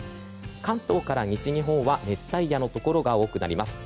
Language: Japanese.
関東から西日本は熱帯夜のところが多くなります。